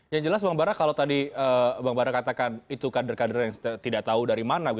yang jelas bang bara kalau tadi bang bara katakan itu kader kader yang tidak tahu dari mana